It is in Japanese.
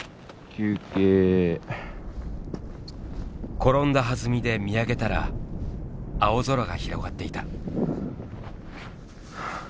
転んだはずみで見上げたら青空が広がっていた。